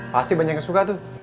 pasti banyak yang suka tuh